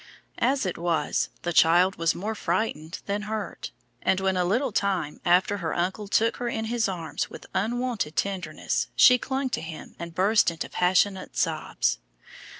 As it was, the child was more frightened than hurt, and when a little time after her uncle took her in his arms with unwonted tenderness, she clung to him and burst into passionate sobs.